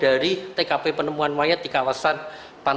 dan ini merupakan keberadaan yang sangat penting untuk korban